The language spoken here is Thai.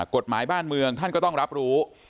กฎหมายบ้านเมืองท่านก็ต้องรับรู้